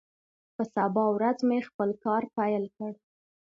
په سبا ورځ مې خپل کار پیل کړ.